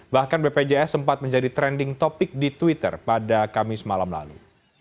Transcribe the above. bahkan bpjs sempat menjadi trending topic di twitter pada kamis malam lalu